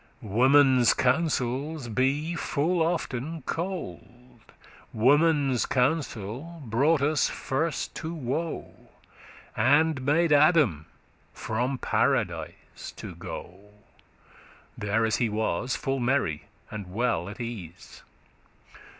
Womane's counsels be full often cold;* *mischievous, unwise Womane's counsel brought us first to woe, And made Adam from Paradise to go, There as he was full merry and well at case.